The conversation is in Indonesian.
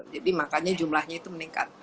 jadi makanya jumlahnya itu meningkat